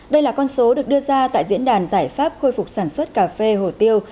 đây là con số được đưa ra tại diễn đàn giải pháp khôi phục sản xuất cà phê hồ tiêu